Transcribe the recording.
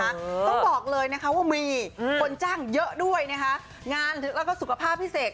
ต้องบอกเลยนะคะว่ามีคนจ้างเยอะด้วยนะคะงานแล้วก็สุขภาพพี่เสก